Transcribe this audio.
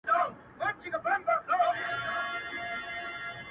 د وخت پاچا زما اته ي دي غلا كړي _